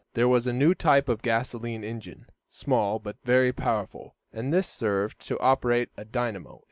There was a new type of gasolene engine, small but very powerful, and this served to operate a dynamo.